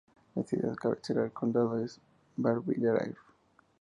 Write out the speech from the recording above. La ciudad cabecera del condado es Belvidere.